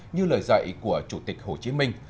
như lời dạy của chủ tịch hồ chí minh